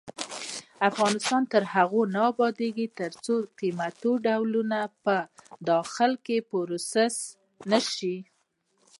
افغانستان تر هغو نه ابادیږي، ترڅو قیمتي ډبرې په داخل کې پروسس نشي.